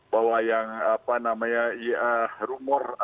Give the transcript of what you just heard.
bahwa yang apa namanya rumor